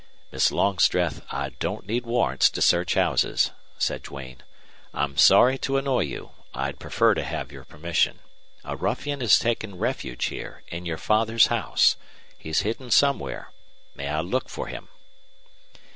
"Miss Longstreth, I don't need warrants to search houses," said Duane. "I'm sorry to annoy you. I'd prefer to have your permission. A ruffian has taken refuge here in your father's house. He's hidden somewhere. May I look for him?"